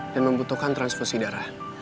dan membutuhkan transfusi darah